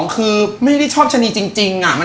๒คือไม่ใช่ชอบชนีจริงอะ